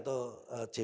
untuk operasi pasar